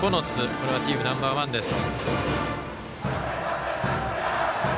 これはチームナンバーワンです。